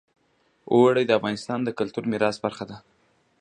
اوړي د افغانستان د کلتوري میراث برخه ده.